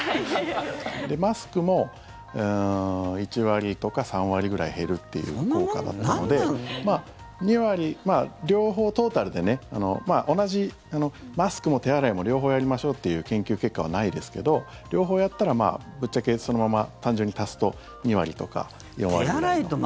マスクも１割とか３割ぐらい減るっていう効果だったので両方、トータルで同じマスクも手洗いも両方やりましょうっていう研究結果はないですけど両方やったらぶっちゃけそのまま単純に足すと２割とか４割ぐらいとか。